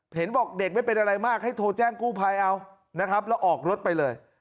เห็นบอกเด็กไม่เป็นอะไรมากให้โทรแจ้งกู้ภัยเอานะครับแล้วออกรถไปเลย